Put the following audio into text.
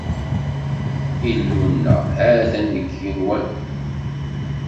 Illu-nneɣ, ha-t-an deg yigenwan.